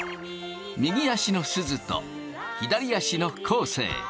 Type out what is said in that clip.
右足のすずと左足の昴生。